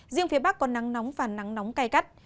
riêng phía bắc có nắng nóng và nắng nóng cay gắt